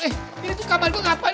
eh ini tuh kamar gue ngapain